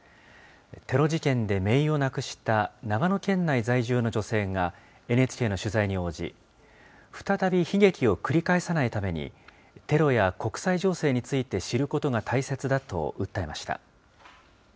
テロ事件でめいを亡くした長野県内在住の女性が、ＮＨＫの取材に応じ、再び悲劇を繰り返さないために、テロや国際情勢について知ることが大切だと訴えました。